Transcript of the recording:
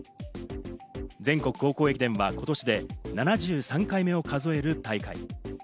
全国高校駅伝は今年で７３回目を数える大会。